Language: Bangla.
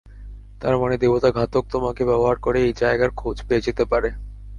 তার মানে দেবতা ঘাতক তোমাকে ব্যবহার করে এই জায়গার খোঁজ পেয়ে যেতে পারে।